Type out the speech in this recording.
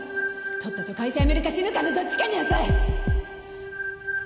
とっとと会社辞めるか死ぬかのどっちかになさい！